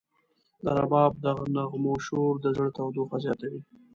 د رباب د نغمو شور د زړه تودوخه زیاتوي.